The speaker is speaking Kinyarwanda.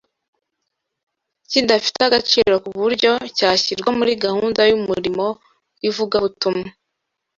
kidafite agaciro ku buryo cyashyirwa muri gahunda y’umurimo w’ivugabutumwa